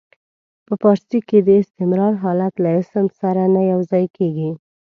په فارسي کې د استمرار حالت له اسم سره نه یو ځای کیږي.